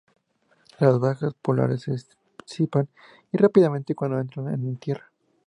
Las bajas polares se disipan rápidamente cuando entran en tierra.